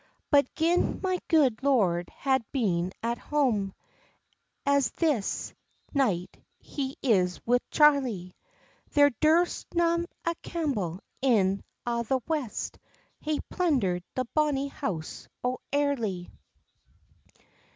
"But gin my good lord had been at hame, As this night he is wi' Charlie, There durst na a Campbell in a' the west Hae plundered the bonnie house o' Airly."